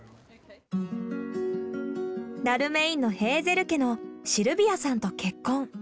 ダルメインのヘーゼル家のシルビアさんと結婚。